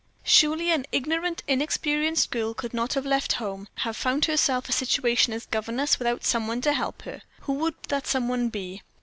Surely an ignorant, inexperienced girl could not have left home have found herself a situation as governess without some one to help her. Who would that some one be?